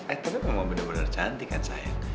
eh tapi memang bener bener cantik kan sayang